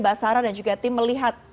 mbak sarah dan juga tim melihat